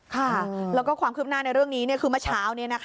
ค่ะแล้วก็ความคืบหน้าในเรื่องนี้คือเมื่อเช้า